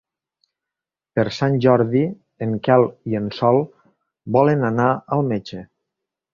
Per Sant Jordi en Quel i en Sol volen anar al metge.